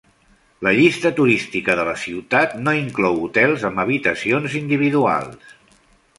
La llista turística de la ciutat no inclou hotels amb habitacions individuals.